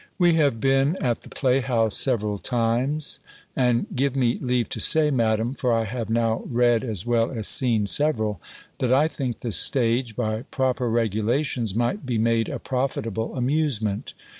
We have been at the play house several time; and, give me leave to say, Madam, (for I have now read as well as seen several), that I think the stage, by proper regulations, might be made a profitable amusement.